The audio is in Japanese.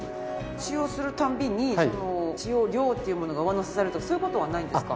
使用する度に使用料っていうものが上乗せされるとかそういう事はないんですか？